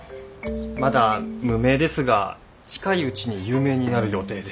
まだ無名ですが近いうちに有名になる予定で。